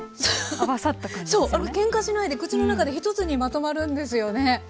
けんかしないで口の中で一つにまとまるんですよね。